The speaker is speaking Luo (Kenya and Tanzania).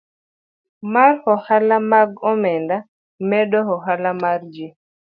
mar ohala mag omenda, medo ohala mar ji,